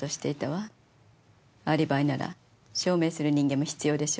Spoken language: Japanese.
アリバイなら証明する人間も必要でしょう。